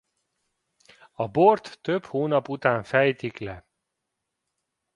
A bort több hónap után fejtik le.